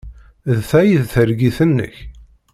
D ta ay d targit-nnek?